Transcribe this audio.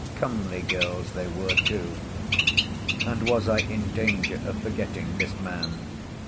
Comely girls they were too. And was I in danger of forgetting this man?